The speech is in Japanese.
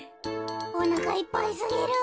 おなかいっぱいすぎる。